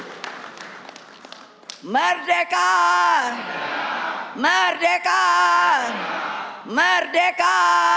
hai merdeka merdeka merdeka